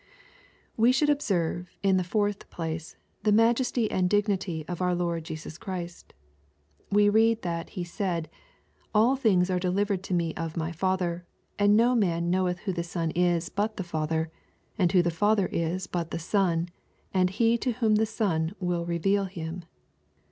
We should observe, in the fourth place, t?ie rruyesty and dignity of our Lord Jesus Christ, We read that He said, " All things are delivered to me of my Fiather : and no man knoweth who the Son is but the Father ; and who the Father is but the Son, and he 1o whom the Son will reveal Him."